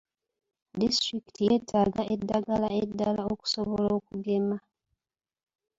Disitulikiti yeetaaga eddagala eddala okusobola okugema.